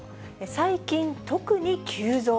最近、特に急増。